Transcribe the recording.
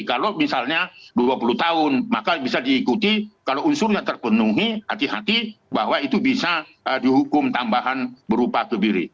kalau misalnya dua puluh tahun maka bisa diikuti kalau unsurnya terpenuhi hati hati bahwa itu bisa dihukum tambahan berupa kebiri